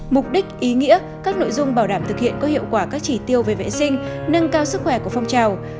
mục đích ý nghĩa các nội dung bảo đảm thực hiện có hiệu quả các chỉ tiêu về vệ sinh nâng cao sức khỏe của phong trào